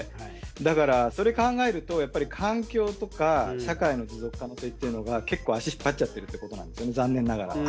だからそれ考えるとやっぱり環境とか社会の持続可能性っていうのが結構足引っ張っちゃってるってことなんですよね残念ながら。